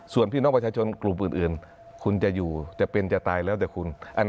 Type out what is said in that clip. ส่วนพี่น้องประชาชนกลุ่มอื่นคุณจะอยู่จะเป็นจะตายแล้วแต่คุณ